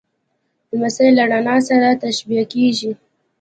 لمسی له رڼا سره تشبیه کېږي.